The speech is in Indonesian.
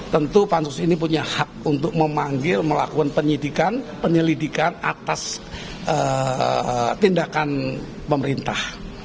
tentu pansus ini punya hak untuk memanggil melakukan penyidikan penyelidikan atas tindakan pemerintah